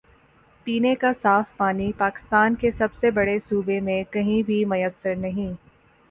پینے کا صاف پانی پاکستان کے سب سے بڑے صوبے میں کہیں بھی میسر نہیں۔